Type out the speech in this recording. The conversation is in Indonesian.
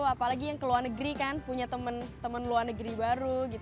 apalagi yang ke luar negeri kan punya teman luar negeri baru